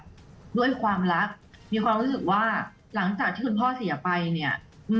ด้วยความรักมีความรู้สึกว่าหลังจากที่คุณพ่อเสียไปเนี่ย